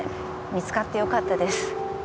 見つかってよかったです